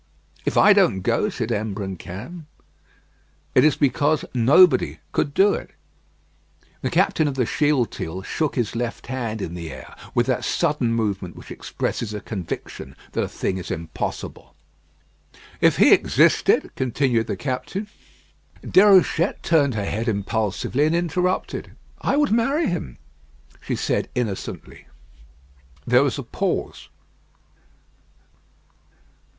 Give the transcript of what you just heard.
"If I don't go," said Imbrancam, "it is because nobody could do it." The captain of the Shealtiel shook his left hand in the air with that sudden movement which expresses a conviction that a thing is impossible. "If he existed " continued the captain. Déruchette turned her head impulsively, and interrupted. "I would marry him," she said, innocently. There was a pause.